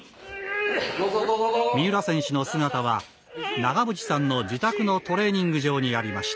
三浦選手の姿は長渕さんの自宅のトレーニング場にありました。